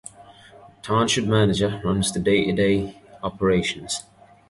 The Township Manager runs the day-to-day operations.